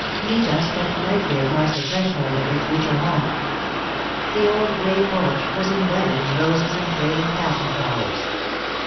Nita stepped lightly across the threshold of her future home. The old grey porch was embedded in roses and trailing passion flowers.